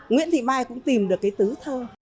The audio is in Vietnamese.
nguyễn thị mai cũng tìm được cái tứ thơ